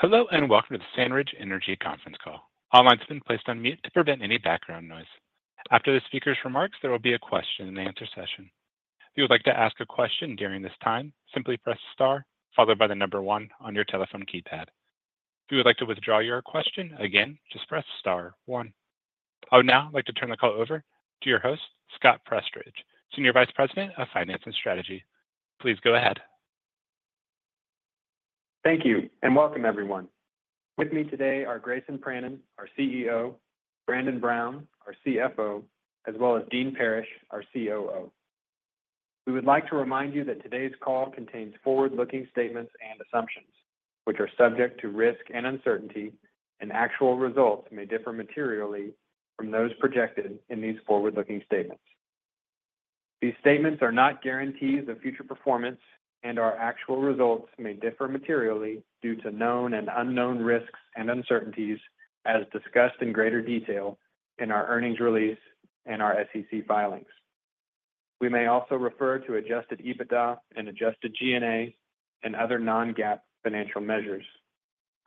Hello, and welcome to the SandRidge Energy conference call. All lines have been placed on mute to prevent any background noise. After the speaker's remarks, there will be a question and answer session. If you would like to ask a question during this time, simply press star followed by the number one on your telephone keypad. If you would like to withdraw your question, again, just press star one. I would now like to turn the call over to your host, Scott Prestridge, Senior Vice President of Finance and Strategy. Please go ahead. Thank you, and welcome everyone. With me today are Grayson Pranin, our CEO, Brandon Brown, our CFO, as well as Dean Parrish, our COO. We would like to remind you that today's call contains forward-looking statements and assumptions, which are subject to risk and uncertainty, and actual results may differ materially from those projected in these forward-looking statements. These statements are not guarantees of future performance, and our actual results may differ materially due to known and unknown risks and uncertainties as discussed in greater detail in our earnings release and our SEC filings. We may also refer to adjusted EBITDA and adjusted G&A and other non-GAAP financial measures.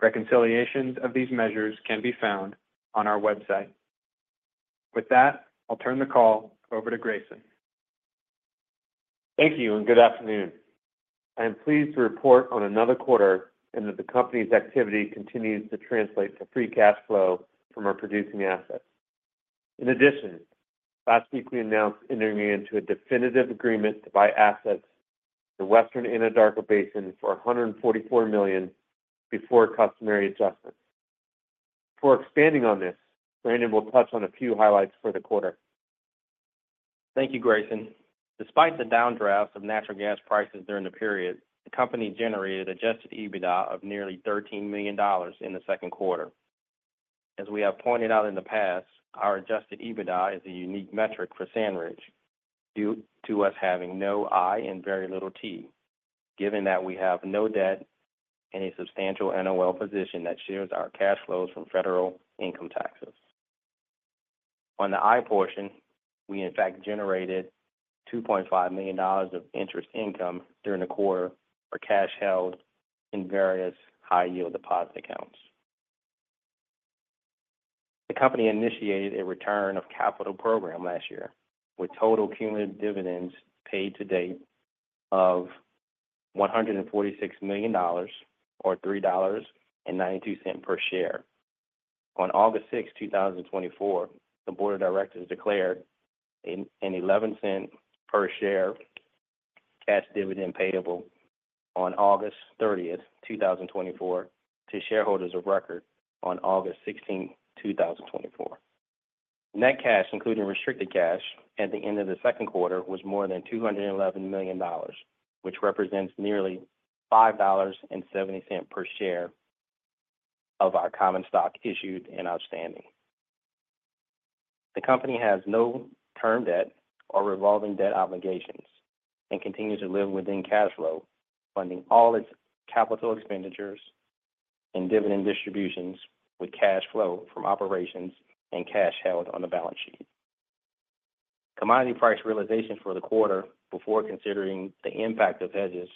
Reconciliations of these measures can be found on our website. With that, I'll turn the call over to Grayson. Thank you, and good afternoon. I am pleased to report on another quarter and that the company's activity continues to translate to free cash flow from our producing assets. In addition, last week we announced entering into a definitive agreement to buy assets in the Western Anadarko Basin for $144 million before customary adjustments. Before expanding on this, Brandon will touch on a few highlights for the quarter. Thank you, Grayson. Despite the downdraft of natural gas prices during the period, the company generated Adjusted EBITDA of nearly $13 million in the second quarter. As we have pointed out in the past, our Adjusted EBITDA is a unique metric for SandRidge, due to us having no I and very little T, given that we have no debt and a substantial NOL position that shields our cash flows from federal income taxes. On the I portion, we in fact generated $2.5 million of interest income during the quarter for cash held in various high-yield deposit accounts. The company initiated a return of capital program last year, with total cumulative dividends paid to date of $146 million, or $3.92 per share. On August 6, 2024, the board of directors declared an 11-cent per share cash dividend payable on August 30, 2024, to shareholders of record on August 16, 2024. Net cash, including restricted cash at the end of the second quarter, was more than $211 million, which represents nearly $5.70 per share of our common stock issued and outstanding. The company has no term debt or revolving debt obligations and continues to live within cash flow, funding all its capital expenditures and dividend distributions with cash flow from operations and cash held on the balance sheet. Commodity price realization for the quarter, before considering the impact of hedges,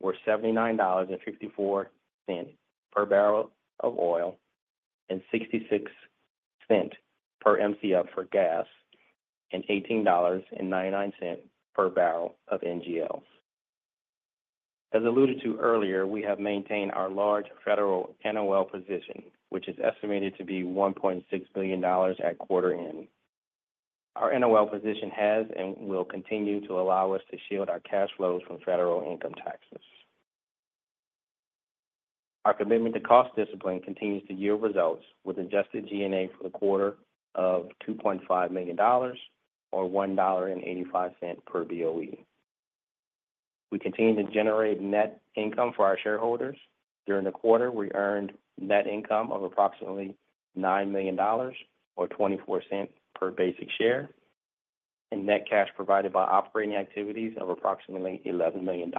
were $79.54 per barrel of oil and $0.66 per Mcf for gas and $18.99 per barrel of NGLs. As alluded to earlier, we have maintained our large federal NOL position, which is estimated to be $1.6 billion at quarter end. Our NOL position has and will continue to allow us to shield our cash flows from federal income taxes. Our commitment to cost discipline continues to yield results with adjusted G&A for the quarter of $2.5 million, or $1.85 per BOE. We continue to generate net income for our shareholders. During the quarter, we earned net income of approximately $9 million, or $0.24 per basic share, and net cash provided by operating activities of approximately $11 million.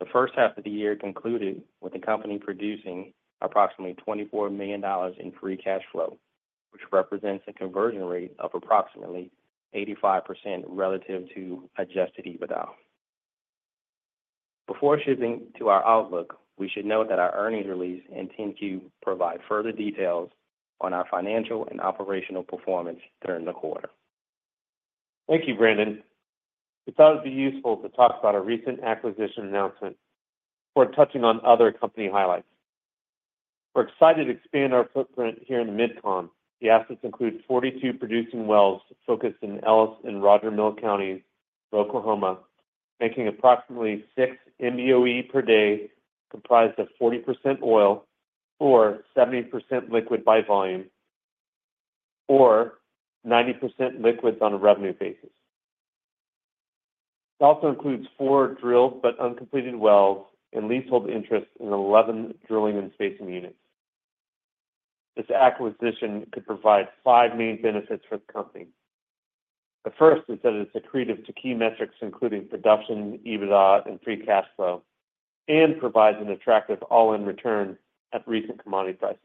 The first half of the year concluded with the company producing approximately $24 million in free cash flow, which represents a conversion rate of approximately 85% relative to adjusted EBITDA. Before shifting to our outlook, we should note that our earnings release and 10-Q provide further details on our financial and operational performance during the quarter. Thank you, Brandon. We thought it'd be useful to talk about our recent acquisition announcement for touching on other company highlights. We're excited to expand our footprint here in the MidCon. The assets include 42 producing wells focused in Ellis and Roger Mills Counties of Oklahoma, making approximately 6 MBOE per day, comprised of 40% oil or 70% liquid by volume, or 90% liquids on a revenue basis. It also includes 4 drilled but uncompleted wells and leasehold interest in 11 drilling and spacing units. This acquisition could provide 5 main benefits for the company. The first is that it's accretive to key metrics, including production, EBITDA, and free cash flow, and provides an attractive all-in return at recent commodity prices.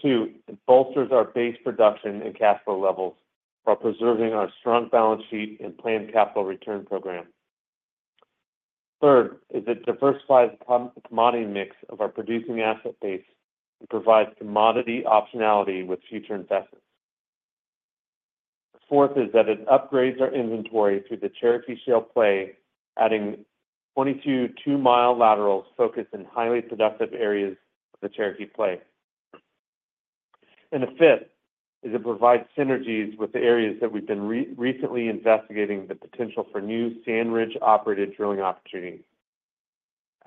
Two it bolsters our base production and cash flow levels while preserving our strong balance sheet and planned capital return program. Third, it diversifies the commodity mix of our producing asset base and provides commodity optionality with future investments. Fourth, it upgrades our inventory through the Cherokee Shale Play, adding 22 2-mile laterals focused in highly productive areas of the Cherokee Play. The fifth, it provides synergies with the areas that we've been recently investigating the potential for new SandRidge-operated drilling opportunities.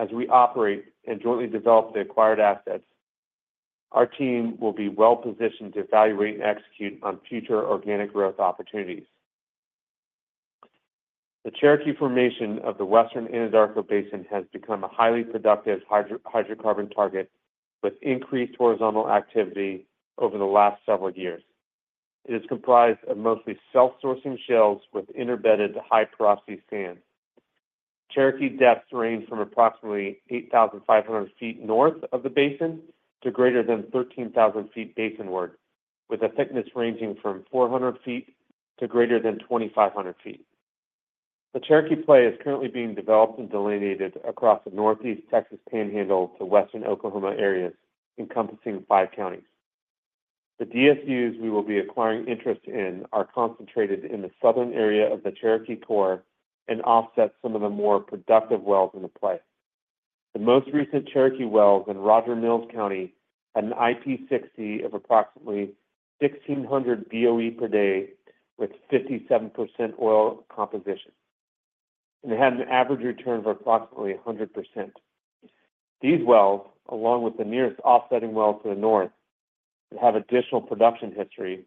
As we operate and jointly develop the acquired assets, our team will be well-positioned to evaluate and execute on future organic growth opportunities. The Cherokee Formation of the Western Anadarko Basin has become a highly productive hydrocarbon target with increased horizontal activity over the last several years. It is comprised of mostly self-sourcing shales with interbedded high porosity sands. Cherokee depths range from approximately 8,500 feet north of the basin to greater than 13,000 feet basinward, with a thickness ranging from 400 feet to greater than 2,500 feet. The Cherokee Play is currently being developed and delineated across the Northeast Texas Panhandle to western Oklahoma areas, encompassing five counties. The DSUs we will be acquiring interest in are concentrated in the southern area of the Cherokee Core and offset some of the more productive wells in the play. The most recent Cherokee wells in Roger Mills County had an IP60 of approximately 1,600 BOE per day, with 57% oil composition, and it had an average return of approximately 100%. These wells, along with the nearest offsetting wells to the north, that have additional production history,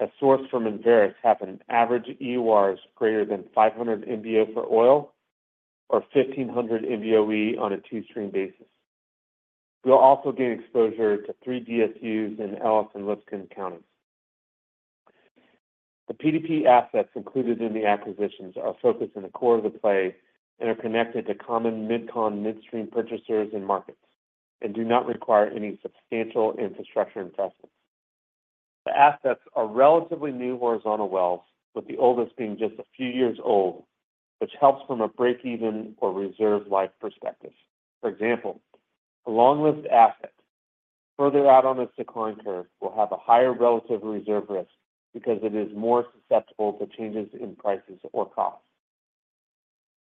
as sourced from Enverus, have an average EURs greater than 500 MBO for oil or 1,500 MBOE on a two-stream basis. We'll also gain exposure to three DSUs in Ellis and Lipscomb County. The PDP assets included in the acquisitions are focused in the core of the play and are connected to common MidCon midstream purchasers and markets and do not require any substantial infrastructure investments. The assets are relatively new horizontal wells, with the oldest being just a few years old, which helps from a break-even or reserve life perspective. For example, a long-lived asset further out on its decline curve will have a higher relative reserve risk because it is more susceptible to changes in prices or costs.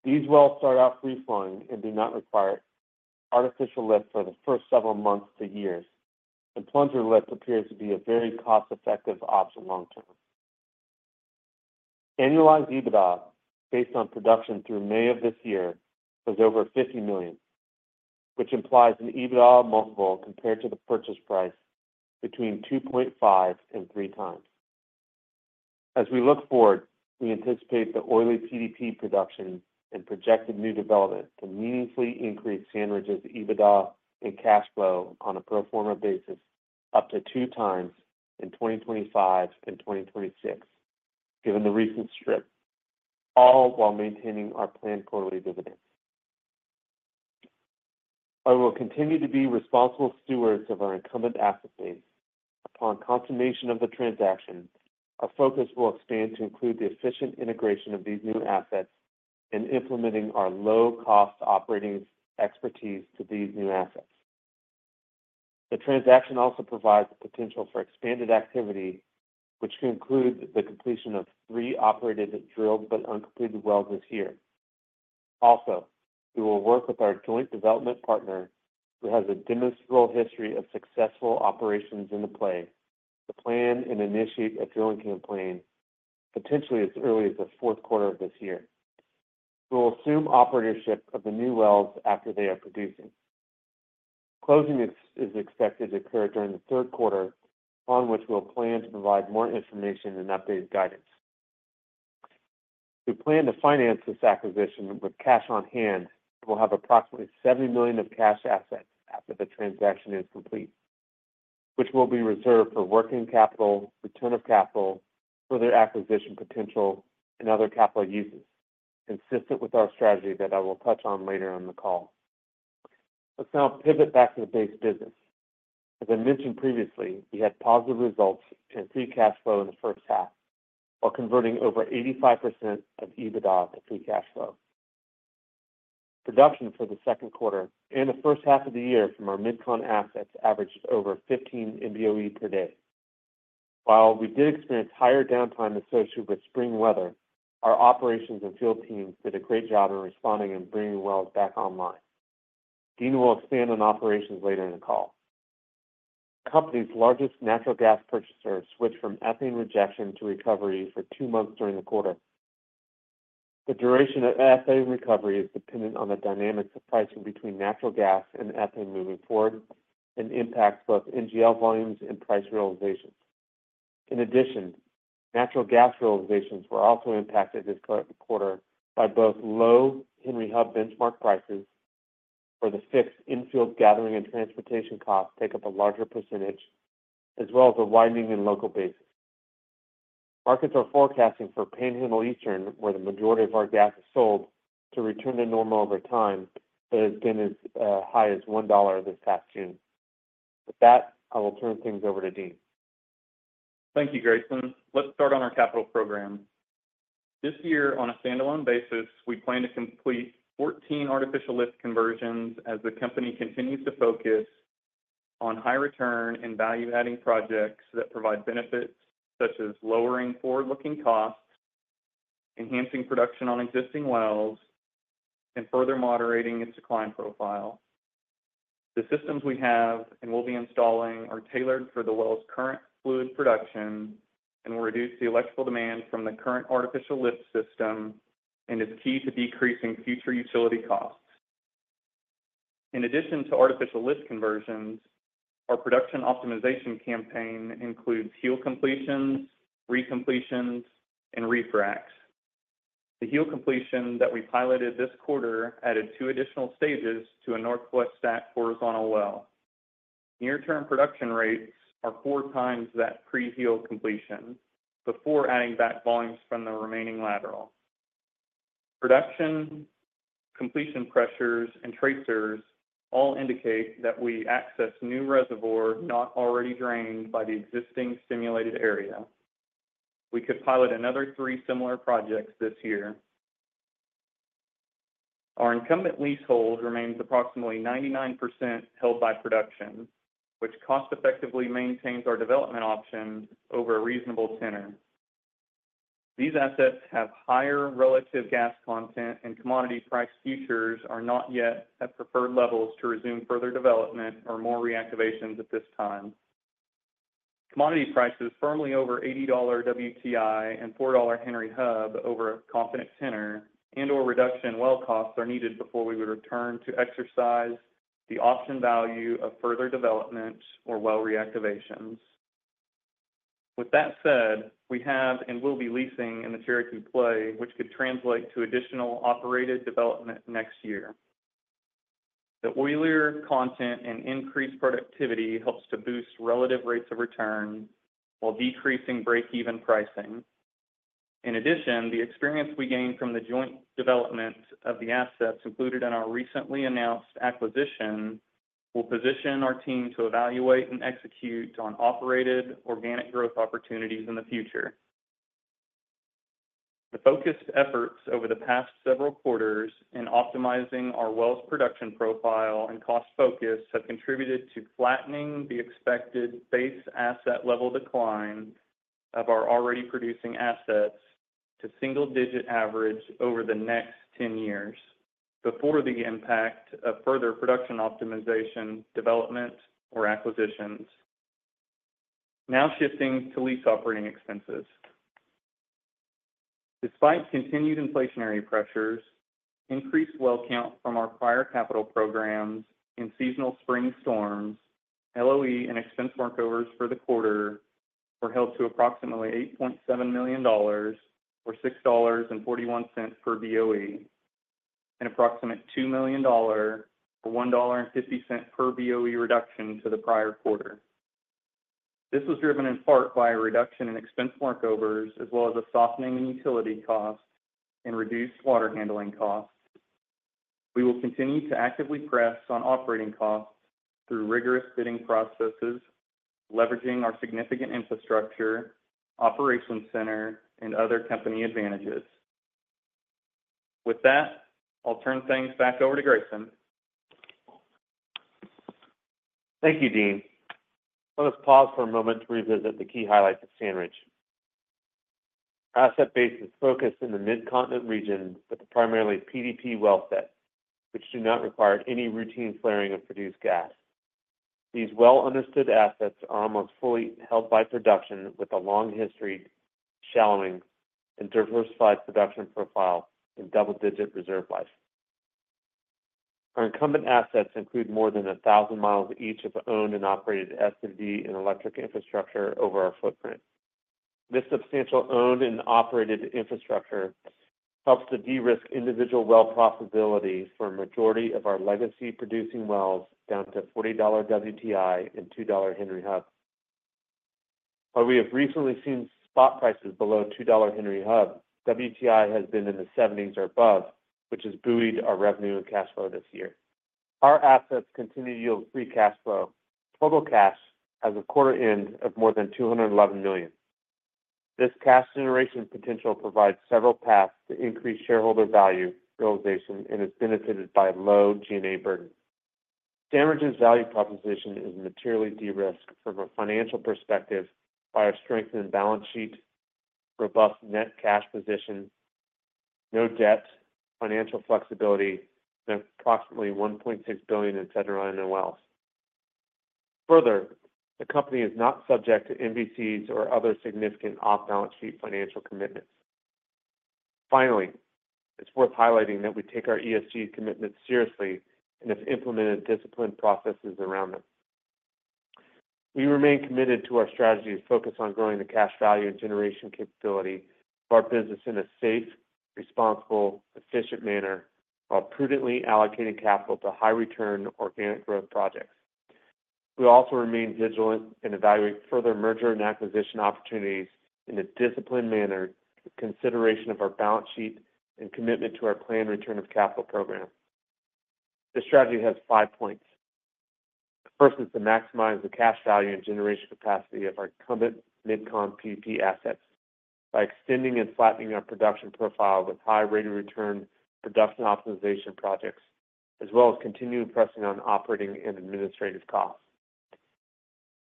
These wells start out free flowing and do not require artificial lift for the first several months to years, and plunger lift appears to be a very cost-effective option long term. Annualized EBITDA, based on production through May of this year, was over $50 million, which implies an EBITDA multiple compared to the purchase price between 2.5x and 3x. As we look forward, we anticipate the oily PDP production and projected new development to meaningfully increase SandRidge's EBITDA and cash flow on a pro forma basis up to 2x in 2025 and 2026, given the recent strip, all while maintaining our planned quarterly dividend. I will continue to be responsible stewards of our incumbent asset base. Upon consummation of the transaction, our focus will expand to include the efficient integration of these new assets and implementing our low-cost operating expertise to these new assets. The transaction also provides the potential for expanded activity, which could include the completion of 3 operated and drilled but uncompleted wells this year. Also, we will work with our joint development partner, who has a demonstrable history of successful operations in the play, to plan and initiate a drilling campaign, potentially as early as the fourth quarter of this year. We will assume operatorship of the new wells after they are producing. Closing is expected to occur during the third quarter, on which we'll plan to provide more information and updated guidance. We plan to finance this acquisition with cash on hand. We'll have approximately $70 million of cash assets after the transaction is complete, which will be reserved for working capital, return of capital, further acquisition potential, and other capital uses, consistent with our strategy that I will touch on later in the call. Let's now pivot back to the base business. As I mentioned previously, we had positive results and free cash flow in the first half, while converting over 85% of EBITDA to free cash flow. Production for the second quarter and the first half of the year from our MidCon assets averaged over 15 MBOE per day. While we did experience higher downtime associated with spring weather, our operations and field teams did a great job in responding and bringing the wells back online. Dean will expand on operations later in the call. The company's largest natural gas purchaser switched from ethane rejection to recovery for two months during the quarter. The duration of ethane recovery is dependent on the dynamics of pricing between natural gas and ethane moving forward and impacts both NGL volumes and price realizations. In addition, natural gas realizations were also impacted this quarter by both low Henry Hub benchmark prices, where the fixed infield gathering and transportation costs take up a larger percentage, as well as a widening in local basis. Markets are forecasting for Panhandle Eastern, where the majority of our gas is sold, to return to normal over time, but has been as high as $1 this past June. With that, I will turn things over to Dean. Thank you, Grayson. Let's start on our capital program. This year, on a standalone basis, we plan to complete 14 artificial lift conversions as the company continues to focus on high return and value-adding projects that provide benefits such as lowering forward-looking costs, enhancing production on existing wells, and further moderating its decline profile. The systems we have and will be installing are tailored for the well's current fluid production and will reduce the electrical demand from the current artificial lift system, and is key to decreasing future utility costs. In addition to artificial lift conversions, our production optimization campaign includes HEAL completions, recompletions, and refracs. The HEAL completion that we piloted this quarter added two additional stages to a Northwest STACK horizontal well. Near-term production rates are four times that pre-HEAL completion before adding back volumes from the remaining lateral. Production, completion pressures, and tracers all indicate that we access new reservoir not already drained by the existing stimulated area. We could pilot another 3 similar projects this year. Our incumbent leasehold remains approximately 99% held by production, which cost effectively maintains our development options over a reasonable tenor. These assets have higher relative gas content, and commodity price futures are not yet at preferred levels to resume further development or more reactivations at this time. Commodity prices firmly over $80 WTI and $4 Henry Hub over a confident tenor and or reduction in well costs are needed before we would return to exercise the option value of further development or well reactivations. With that said, we have and will be leasing in the Cherokee Play, which could translate to additional operated development next year. The oilier content and increased productivity helps to boost relative rates of return while decreasing break-even pricing. In addition, the experience we gained from the joint development of the assets included in our recently announced acquisition will position our team to evaluate and execute on operated organic growth opportunities in the future. The focused efforts over the past several quarters in optimizing our wells production profile and cost focus have contributed to flattening the expected base asset level decline of our already producing assets to single-digit average over the next 10 years before the impact of further production optimization, development, or acquisitions. Now shifting to lease operating expenses. Despite continued inflationary pressures, increased well count from our prior capital programs and seasonal spring storms, LOE and expense markovers for the quarter were held to approximately $8.7 million, or $6.41 per BOE, an approximate $2 million, or $1.50 per BOE reduction to the prior quarter. This was driven in part by a reduction in expense markovers, as well as a softening in utility costs and reduced water handling costs. We will continue to actively press on operating costs through rigorous bidding processes, leveraging our significant infrastructure, operations center, and other company advantages. With that, I'll turn things back over to Grayson. Thank you, Dean. Let us pause for a moment to revisit the key highlights of SandRidge. Asset base is focused in the Mid-Continent region with a primarily PDP well set, which do not require any routine flaring of produced gas. These well-understood assets are almost fully held by production, with a long history of shallowing and diversified production profile and double-digit reserve life. Our incumbent assets include more than 1,000 miles each of owned and operated S&D and electric infrastructure over our footprint. This substantial owned and operated infrastructure helps to de-risk individual well profitability for a majority of our legacy producing wells, down to $40 WTI and $2 Henry Hub. While we have recently seen spot prices below $2 Henry Hub, WTI has been in the 70s or above, which has buoyed our revenue and cash flow this year. Our assets continue to yield free cash flow. Total cash as of quarter end of more than $211 million. This cash generation potential provides several paths to increased shareholder value realization and is benefited by low G&A burden. SandRidge's value proposition is materially de-risked from a financial perspective by our strengthened balance sheet, robust net cash position, no debt, financial flexibility, and approximately $1.6 billion in PDR and wells. Further, the company is not subject to MVCs or other significant off-balance sheet financial commitments. Finally, it's worth highlighting that we take our ESG commitment seriously and have implemented disciplined processes around them. We remain committed to our strategy to focus on growing the cash value and generation capability of our business in a safe, responsible, efficient manner, while prudently allocating capital to high return organic growth projects. We also remain vigilant and evaluate further merger and acquisition opportunities in a disciplined manner with consideration of our balance sheet and commitment to our planned return of capital program. This strategy has five points. The first is to maximize the cash value and generation capacity of our incumbent MidCon PDP assets by extending and flattening our production profile with high rate of return production optimization projects, as well as continuing pressing on operating and administrative costs.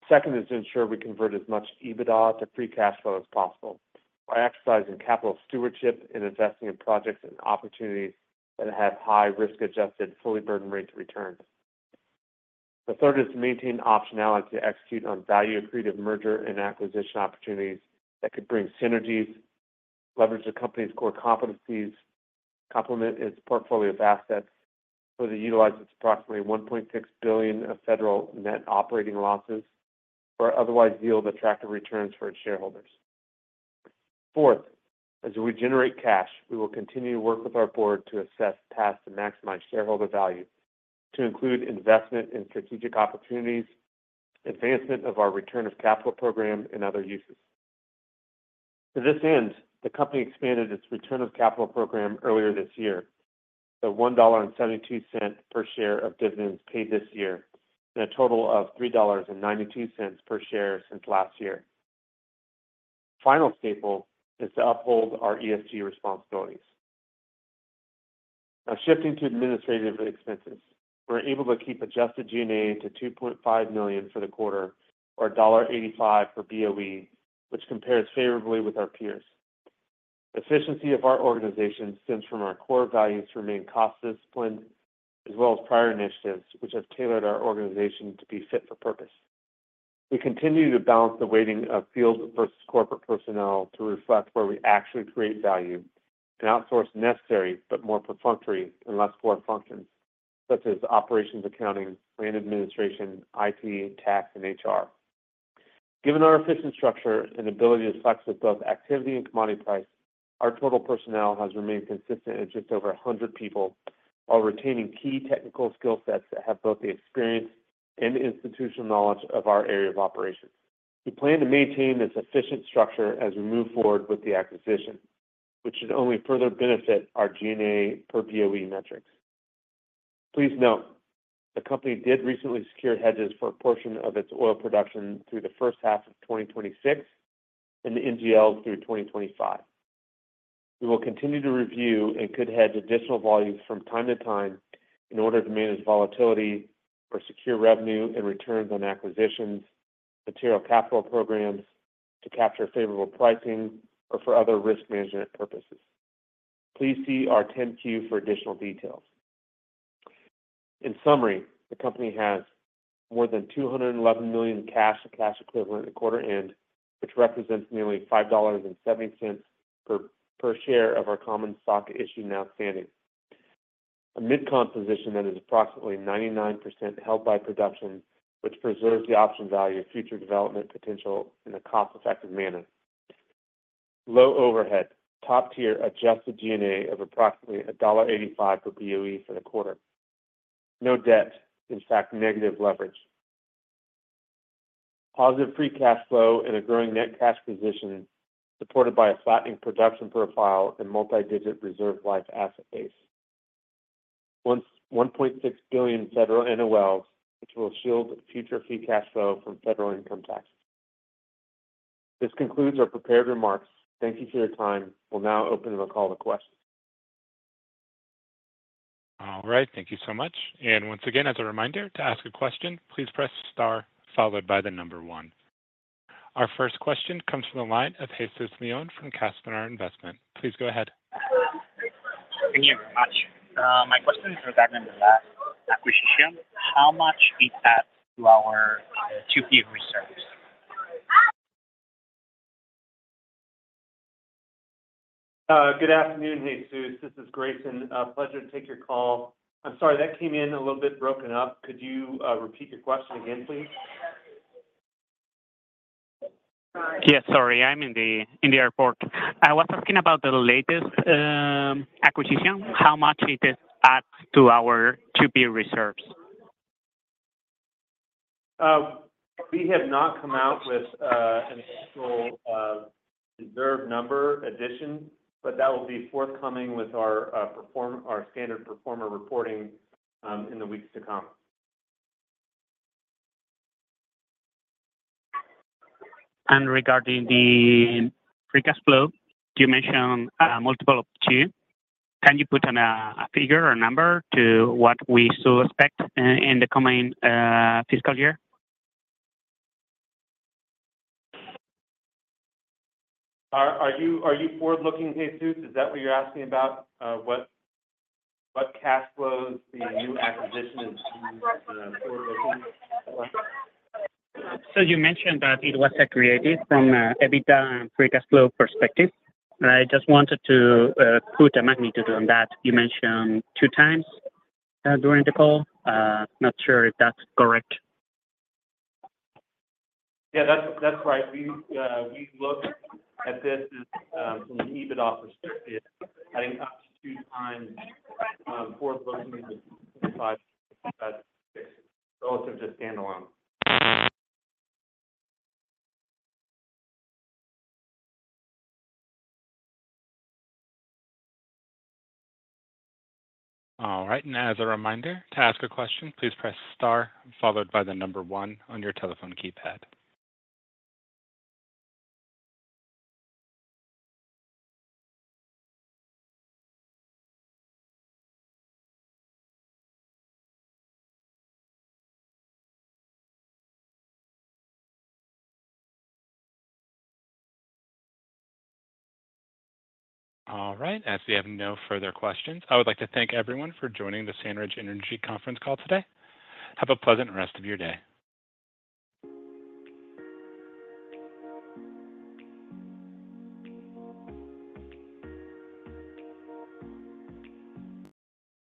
Second is to ensure we convert as much EBITDA to free cash flow as possible by exercising capital stewardship and investing in projects and opportunities that have high risk-adjusted, fully burdened rates of return. The third is to maintain optionality to execute on value accretive merger and acquisition opportunities that could bring synergies, leverage the company's core competencies, complement its portfolio of assets, further utilize its approximately $1.6 billion of federal net operating losses, or otherwise yield attractive returns for its shareholders. Fourth, as we generate cash, we will continue to work with our board to assess paths to maximize shareholder value, to include investment in strategic opportunities, advancement of our return of capital program, and other uses. To this end, the company expanded its return of capital program earlier this year, with $1.72 per share of dividends paid this year, and a total of $3.92 per share since last year. Final step is to uphold our ESG responsibilities. Now, shifting to administrative expenses. We're able to keep Adjusted G&A to $2.5 million for the quarter, or $1.85 per BOE, which compares favorably with our peers. Efficiency of our organization stems from our core values to remain cost disciplined, as well as prior initiatives, which have tailored our organization to be fit for purpose. We continue to balance the weighting of field versus corporate personnel to reflect where we actually create value and outsource necessary, but more perfunctory and less core functions, such as operations, accounting, brand administration, IT, tax, and HR. Given our efficient structure and ability to flex with both activity and commodity price, our total personnel has remained consistent at just over 100 people, while retaining key technical skill sets that have both the experience and institutional knowledge of our area of operations. We plan to maintain this efficient structure as we move forward with the acquisition, which should only further benefit our G&A per BOE metrics. Please note, the company did recently secure hedges for a portion of its oil production through the first half of 2026 and the NGLs through 2025. We will continue to review and could hedge additional volumes from time to time in order to manage volatility or secure revenue and returns on acquisitions, material capital programs, to capture favorable pricing, or for other risk management purposes. Please see our 10-Q for additional details. In summary, the company has more than $211 million cash or cash equivalent at quarter end, which represents nearly $5.70 per, per share of our common stock issued and outstanding. A Mid-Con position that is approximately 99% held by production, which preserves the option value of future development potential in a cost-effective manner. Low overhead, top-tier Adjusted G&A of approximately $1.85 per BOE for the quarter. No debt, in fact, negative leverage. Positive free cash flow and a growing net cash position, supported by a flattening production profile and multi-digit reserve life asset base. $1.6 billion federal NOLs, which will shield future free cash flow from federal income tax. This concludes our prepared remarks. Thank you for your time. We'll now open the call to questions. All right, thank you so much. Once again, as a reminder, to ask a question, please press star followed by the number one. Our first question comes from the line of Jesus Leon from Caspian Capital. Please go ahead. Thank you very much. My question is regarding the last acquisition. How much it adds to our 2P reserves? Good afternoon, Jesus. This is Grayson. Pleasure to take your call. I'm sorry, that came in a little bit broken up. Could you repeat your question again, please? Yes, sorry. I'm in the, in the airport. I was asking about the latest acquisition. How much it adds to our 2P reserves? We have not come out with an actual reserve number addition, but that will be forthcoming with our standard performance reporting in the weeks to come. Regarding the free cash flow, you mentioned a multiple of 2. Can you put a figure or number to what we still expect in the coming fiscal year? Are you forward-looking, Jesus? Is that what you're asking about? What cash flows the new acquisition into the forward-looking? You mentioned that it was accretive from a EBITDA and free cash flow perspective. I just wanted to put a magnitude on that. You mentioned two times during the call. Not sure if that's correct. Yeah, that's right. We look at this as from an EBITDA perspective, adding up to 2 times $4 billion in 5 years. Also, just standalone. All right. And as a reminder, to ask a question, please press star, followed by the number 1 on your telephone keypad. All right, as we have no further questions, I would like to thank everyone for joining the SandRidge Energy Conference call today. Have a pleasant rest of your day.